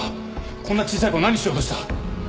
こんな小さい子に何しようとした！？